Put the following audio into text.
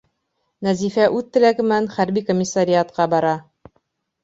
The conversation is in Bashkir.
Нәзифә үҙ теләге менән хәрби комиссариатҡа бара.